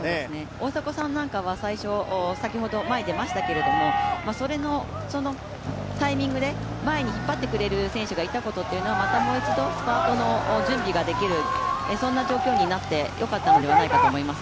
大迫さんなんかは、先ほど前に出ましたけれどもそのタイミングで前に引っ張ってくれる選手がいたことというのはまたもう一度、スパートの準備ができる、そんな状況になって、良かったのではないかと思います。